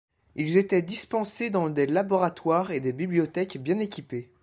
Ils étaient dispensés dans des laboratoires et des bibliothèques bien équipés.